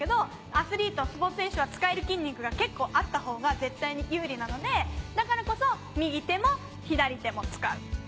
アスリートスポーツ選手は使える筋肉が結構あった方が絶対に有利なのでだからこそ右手も左手も使う。